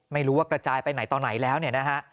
ไม่รู้ว่ากระจายไปไหนต่อไหนแล้วเนี่ยนะฮะ